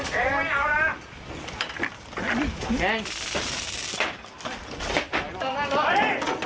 เฮ่ย